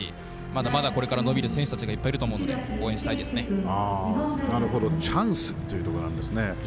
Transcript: まだまだこれから伸びる選手たちがいっぱいいると思うのでチャンスっていうところなんですね。